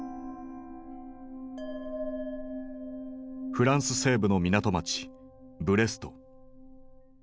フランス西部の港街ブレスト。